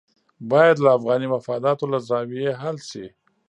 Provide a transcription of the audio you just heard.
باید له افغاني مفاداتو له زاویې حل شي.